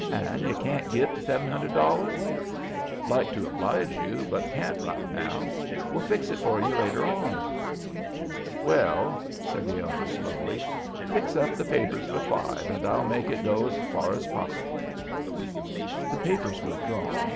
An' you can't git the sev'n hundr'd dollars?" "Like to oblige you, but can't right now; will fix it for you later on." "Well," said the elder, slowly, "fix up the papers for five, an' I'll make it go as far as possible." The papers were drawn.